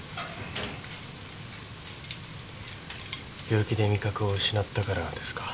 病気で味覚を失ったからですか？